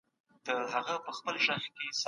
فردي ملکیت انسان ته د ارامۍ احساس ورکوي.